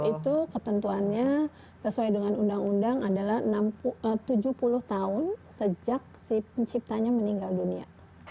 itu ketentuannya sesuai dengan undang undang adalah tujuh puluh tahun sejak si penciptanya meninggal dunia